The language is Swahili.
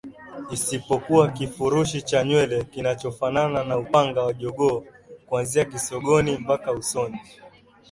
isipokuwa kifurushi cha nywele kinachofanana na upanga wa jogoo kuanzia kisogoni mpaka usoni